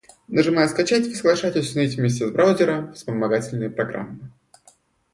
Нажимая "Скачать", вы соглашаетесь установить вместе с браузером вспомогательные программы.